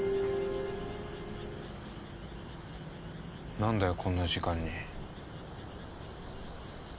何だよこんな時間に。